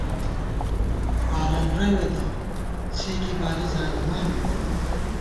بالن رَوے تہ، سے کی بالی زانِمان بی نئ